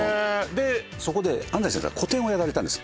そこで安齋先生が個展をやられたんです